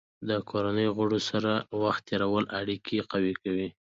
د کورنۍ غړو سره وخت تېرول اړیکې قوي کوي.